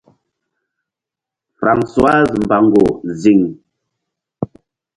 Francoise mbango ziŋ.